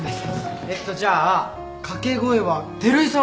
えっとじゃあ掛け声は照井さん